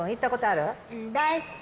大好き。